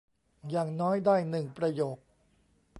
อย่างน้อยได้หนึ่งประโยค